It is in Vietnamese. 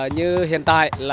như hiện tại là